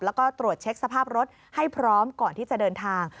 แล้วก็ตรวจเช็คสภาพรถให้พร้อมก่อนที่จะเดินทาง